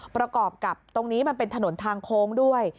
ประกอบกับตรงนี้มันเป็นถนนทางโค้งด้วย